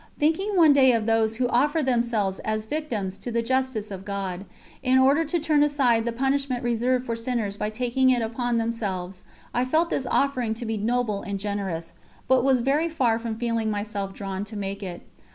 Thinking one day of those who offer themselves as victims to the Justice of God, in order to turn aside the punishment reserved for sinners by taking it upon themselves, I felt this offering to be noble and generous, but was very far from feeling myself drawn to make it.